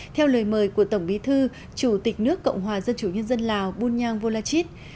theo lời mời của tổng bí thư chủ tịch nước cộng hòa dân chủ nhân dân lào bunyang volachit